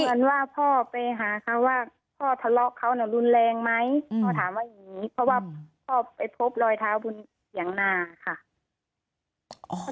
เหมือนว่าพ่อไปหาเขาว่าพ่อทะเลาะเขาน่ะรุนแรงไหมพ่อถามว่าอย่างนี้เพราะว่าพ่อไปพบรอยเท้าบนเถียงนาค่ะ